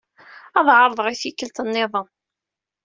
Ad ɛeṛḍeɣ i tikkelt nniḍen.